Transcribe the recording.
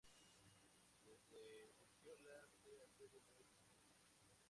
Desde Urkiola se accede muy fácilmente.